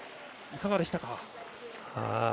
いかがでしたか。